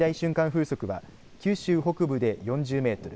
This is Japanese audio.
風速は九州北部で４０メートル